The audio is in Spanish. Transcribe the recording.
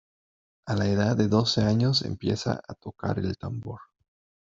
A la edad de doce años empieza a tocar el tambor.